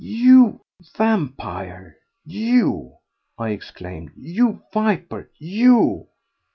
"You vampire, you!" I exclaimed. "You viper! You